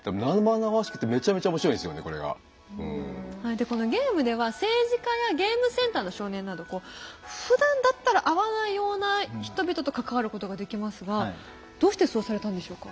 でこのゲームでは政治家やゲームセンターの少年などこうふだんだったら会わないような人々と関わることができますがどうしてそうされたんでしょうか？